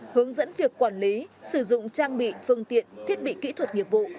hướng dẫn việc quản lý sử dụng trang bị phương tiện thiết bị kỹ thuật nghiệp vụ